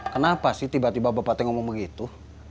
kenapa sih tiba tiba bapak teng ngomong begitu